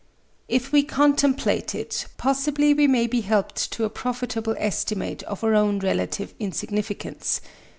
If we contemplate it, possibly we may be helped to a profitable estimate of our own relative insignificance.